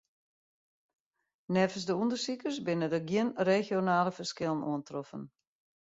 Neffens de ûndersikers binne der gjin regionale ferskillen oantroffen.